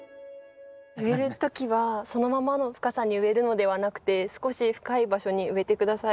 植える時はそのままの深さに植えるのではなくて少し深い場所に植えて下さい。